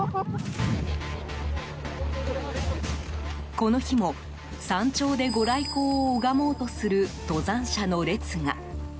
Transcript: この日も、山頂でご来光を拝もうとする登山者の列が。